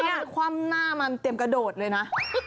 นี่คว่ำหน้ามันเตรียมกระโดดเลยนะ